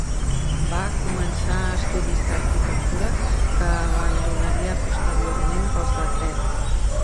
Va començar estudis d'arquitectura, que abandonaria posteriorment pels de Dret.